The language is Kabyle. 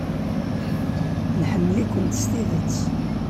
Nḥemmel-ikent s tidet.